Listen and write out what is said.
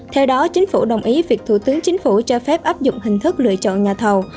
theo đó chính phủ đồng ý việc thủ tướng chính phủ cho phép áp dụng hình thức lựa chọn nhà thầu